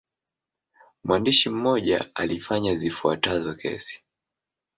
Mwandishi mmoja alifanya zifuatazo kesi.